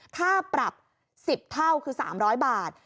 ค่าปรับ๑๐เท่าคือ๓๐๐บาท